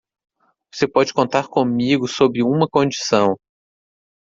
Você pode contar comigo sob uma condição.